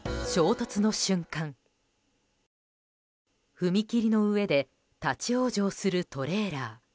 踏切の上で立ち往生するトレーラー。